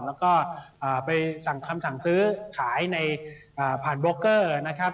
แล้วก็ไปสั่งคำสั่งซื้อขายในผ่านโบรกเกอร์นะครับ